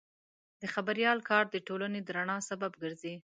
د خبریال کار د ټولنې د رڼا سبب ګرځي.